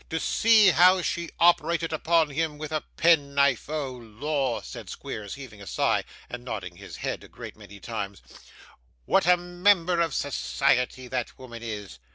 To see how she operated upon him with a pen knife! Oh Lor!' said Squeers, heaving a sigh, and nodding his head a great many times, 'what a member of society that woman is!